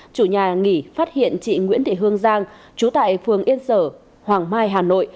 chủ nhà nghỉ phát hiện chị nguyễn thị hương giang chú tại phường yên sở hoàng mai hà nội